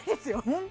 本当？